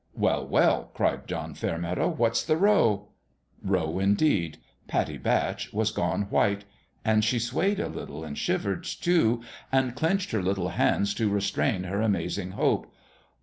" Well, well !" cried John Fairmeadow ;" what's the row ?" Row, indeed ! Pattie Batch was gone white ; and she swayed a little, and shivered, too, and clenched her little hands to restrain her amazing hope.